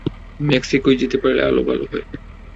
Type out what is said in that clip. ম্যাক্সিকোয় যেতে পারলে আরো ভালো হয়!